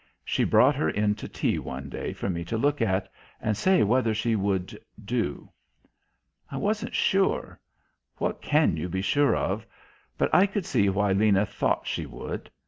She brought her in to tea one day for me to look at and say whether she would "do." I wasn't sure what can you be sure of? but I could see why Lena thought she would.